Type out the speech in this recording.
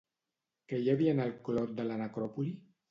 Què hi havia en el clot de la necròpoli?